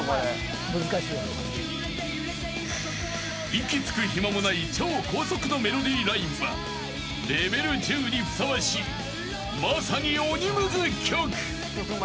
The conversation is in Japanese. ［息つく暇もない超高速のメロディーラインはレベル１０にふさわしいまさに鬼ムズ曲］